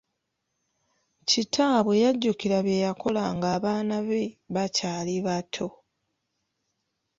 Kitaabwe yajjukira bye yakola nga abaana be bakyali bato.